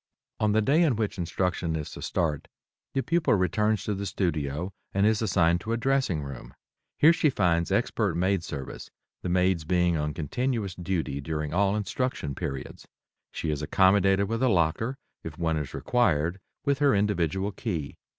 On the day in which instruction is to start, the pupil returns to the studio and is assigned to a dressing room. Here she finds expert maid service, the maids being on continuous duty during all instruction periods. She is accommodated with a locker, if one is required, with her individual key.